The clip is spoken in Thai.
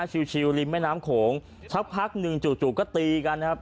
ชิวริมแม่น้ำโขงสักพักหนึ่งจู่ก็ตีกันนะครับ